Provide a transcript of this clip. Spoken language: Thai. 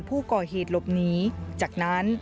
สุดท้าย